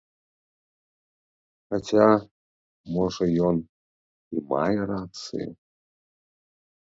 Хаця, можа, ён і мае рацыю.